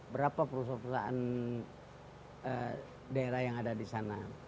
berapa perusahaan perusahaan daerah yang ada di sana